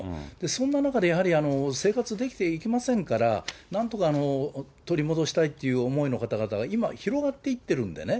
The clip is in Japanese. そんな中でやはり、生活できていきませんから、なんとか取り戻したいという思いの方々が今、広がっていってるんでね、